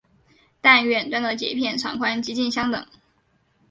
但远端的节片长宽几近相等。